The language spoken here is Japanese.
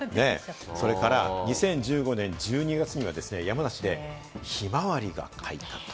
それから２０１５年１２月には山梨でひまわりが開花。